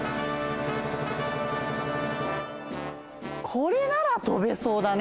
これならとべそうだね。